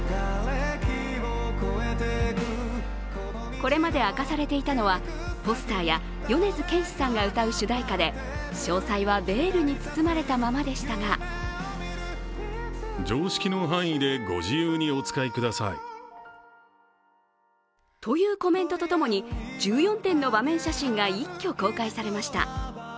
これまで明かされていたのはポスターや米津玄師さんが歌う主題歌で詳細はベールに包まれたままでしたがというコメントと共に１４点の場面写真が一挙公開されました。